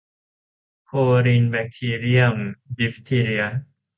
โครินแบคทีเรียมดิฟทีเรีย